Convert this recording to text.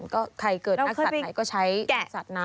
ก็ใครเกิดนักศัตริย์ไหนก็ใช้นักศัตริย์นั้น